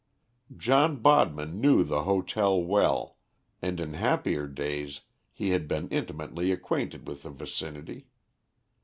John Bodman knew the hotel well, and in happier days he had been intimately acquainted with the vicinity.